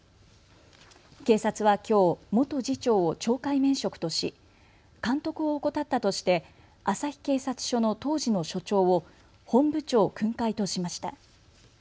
警察はきょう元次長を懲戒免職とし監督を怠ったとして旭警察署の当時の署長を本部長訓戒としました。